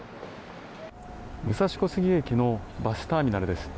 武蔵小杉駅のバスターミナルです。